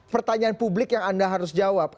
pertanyaan publik yang anda harus jawab